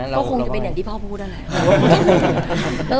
ก็คงจะเป็นอย่างที่พ่อพูดนั่นแหละ